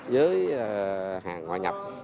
với hàng ngoại nhập